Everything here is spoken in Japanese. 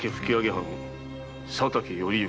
藩佐竹頼之。